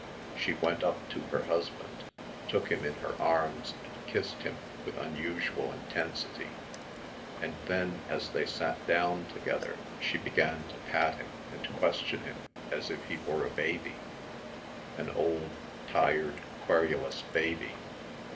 She went up to her husband, took him in her arms, and kissed him with unusual intensity, and then as they sat down together she began to pat him and question him as if he were a baby, an old, tired, querulous baby.